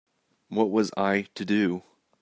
What was I to do?